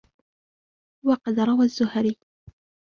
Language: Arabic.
وَقَدْ رَوَى الزُّهْرِيُّ